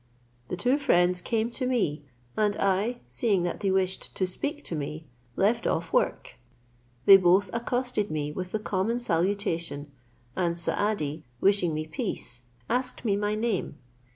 The two friends came to me, and I, seeing that they wished to speak to me, left off work: they both accosted me with the common salutation, and Saadi, wishing me peace, asked me my name.